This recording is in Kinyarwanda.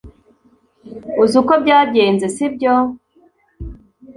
Uzi uko byagenze sibyo